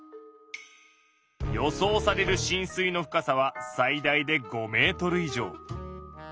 予想されるしん水の深さは最大で５メートル以上。